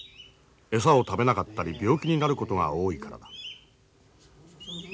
餌を食べなかったり病気になることが多いからだ。